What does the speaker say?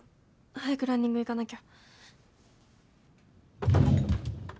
早くランニング行かなきゃ。